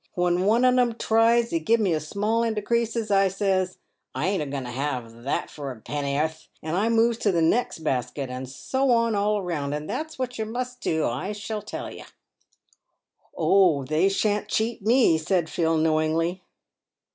When one on 'em tries to give me a small hand of creases, I says, ' I ain't a going to have that for a penn'orth,' and I moves to the next basket, and so on all round ; and that's what you must do, I can tell you." " Oh ! they shan't cheat me," said Phil, knowingly.